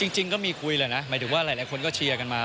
จริงก็มีคุยแหละนะหมายถึงว่าหลายคนก็เชียร์กันมา